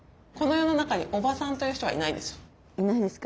いないですか？